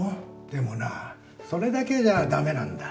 でもなそれだけじゃダメなんだ。